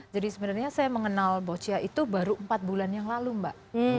jadi sebenarnya saya mengenal boccia itu baru empat bulan yang lalu mbak